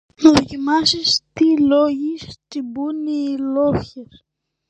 να δοκιμάσεις τι λογής τσιμπούν οι λόγχες